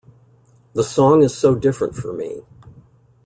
The song is so different for me.